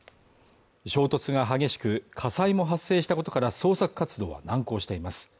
衝突が激しく、火災も発生したことから捜索活動は難航しています。